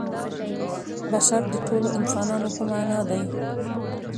بشر د ټولو انسانانو په معنا دی.